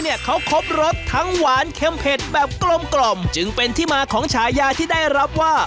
เนี่ยเขาครบรสทั้งหวานเค็มเผ็ดแบบกลมกล่อมจึงเป็นที่มาของฉายาที่ได้รับว่า